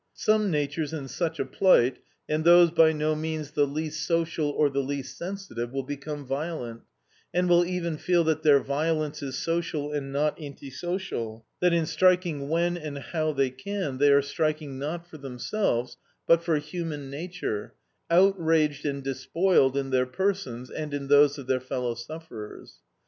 Some natures in such a plight, and those by no means the least social or the least sensitive, will become violent, and will even feel that their violence is social and not anti social, that in striking when and how they can, they are striking, not for themselves, but for human nature, outraged and despoiled in their persons and in those of their fellow sufferers.